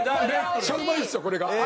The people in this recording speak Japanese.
めっちゃうまいんですよこれが。